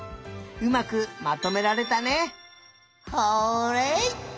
うまくまとめられたね！